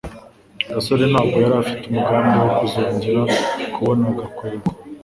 gasore ntabwo yari afite umugambi wo kuzongera kubona gakwego